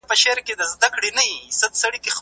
که تعلیم منظم وي، پرمختګ نه درېږي.